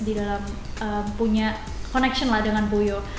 di dalam punya connection lah dengan puyo